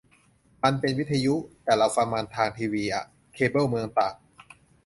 มันเป็นวิทยุ แต่เราฟังมันทางทีวีอ่ะ เคเบิลเมืองตาก